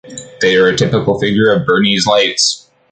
They are a typical figure of Bernese lights.